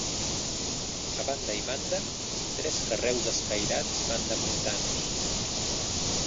A banda i banda, tres carreus escairats fan de muntants.